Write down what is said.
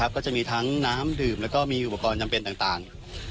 ก็จะมีทั้งน้ำดื่มแล้วก็มีอุปกรณ์จำเป็นต่าง